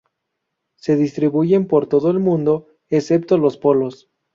Se distribuyen por todo el mundo, excepto los polos.